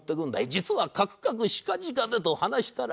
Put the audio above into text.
実はかくかくしかじかでと話したら。